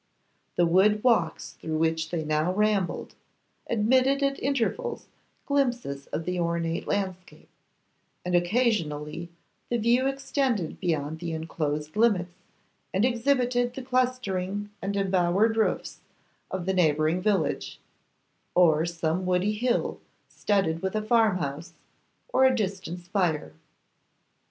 The wood walks through which they now rambled admitted at intervals glimpses of the ornate landscape, and occasionally the view extended beyond the enclosed limits, and exhibited the clustering and embowered roofs of the neighbouring village, or some woody hill studded with a farmhouse, or a distant spire.